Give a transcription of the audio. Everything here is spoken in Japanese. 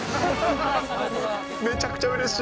めちゃくちゃうれしい。